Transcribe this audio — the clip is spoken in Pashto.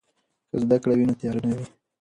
که زده کړه وي نو تیاره نه وي.